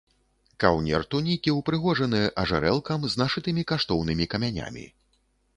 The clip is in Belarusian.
Каўнер тунікі ўпрыгожаны ажарэлкам з нашытымі каштоўнымі камянямі.